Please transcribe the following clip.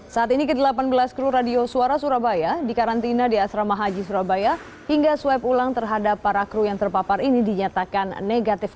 saat ini ke delapan belas kru radio suara surabaya dikarantina di asrama haji surabaya hingga swab ulang terhadap para kru yang terpapar ini dinyatakan negatif